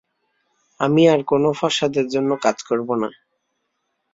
আমি আর কোনো ফর্সা দের জন্য কাজ করব না।